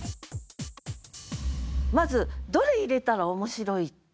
まずどれ入れたら面白いか。